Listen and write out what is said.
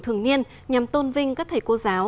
thường niên nhằm tôn vinh các thầy cô giáo